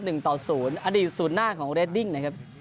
ต่อศูนย์อดีตศูนย์หน้าของเรดดิ้งนะครับ